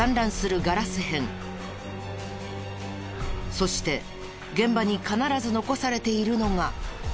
そして現場に必ず残されているのが。